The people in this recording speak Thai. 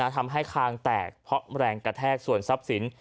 ทำให้คางแตกเพราะแรงกระแทกส่วนทรัพย์สิน